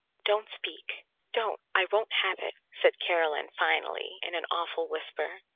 "Don't speak, don't, I won't have it!" said Caroline finally in an awful whisper.